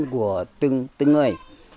của từng người